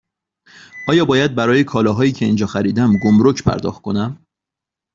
آیا باید برای کالاهایی که اینجا خریدم گمرگ پرداخت کنم؟